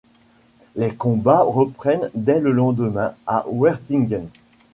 Les combats reprennent dès le lendemain à Wertingen.